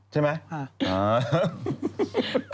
ใช่ไหม